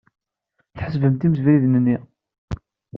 Tḥebsemt-d imsebriden-nni.